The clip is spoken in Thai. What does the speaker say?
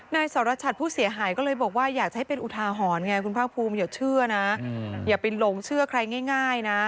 นายสรชัดผู้เสียหายก็เลยบอกว่าอยากจะให้เป็นอุทาหรณ์ไงคุณภาคภูมิอย่าเชื่อนะอย่าไปหลงเชื่อใครง่ายนะ